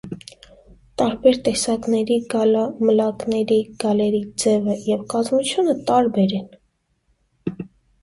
Տարբեր տեսակների գալամլակների գալերի ձևը և կազմությունը տարբեր են։